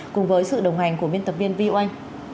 cùng với sự đồng hành của biên tập viên viu anh